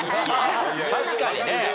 確かにね。